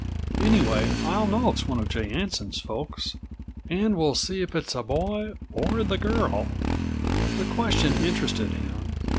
Anyway, I'll know it's one of J. Anson's65 folks. And we'll see if it is a boy or the girl?" The question interested him.